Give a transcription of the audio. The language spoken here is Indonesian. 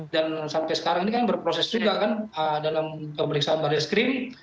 dan sampai sekarang ini kan berproses juga kan dalam pemeriksaan barreskrim